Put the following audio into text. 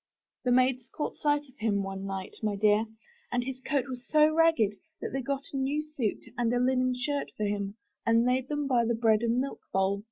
The maids caught sight of him one night, my dear, and his coat was so ragged, that they got a new suit, and a linen shirt for him, and laid them by the bread and milk bowl.